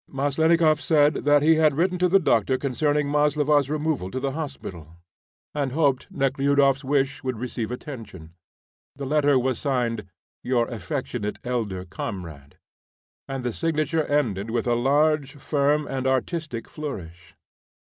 Maslennikoff said that he had written to the doctor concerning Maslova's removal to the hospital, and hoped Nekhludoff's wish would receive attention. The letter was signed, "Your affectionate elder comrade," and the signature ended with a large, firm, and artistic flourish.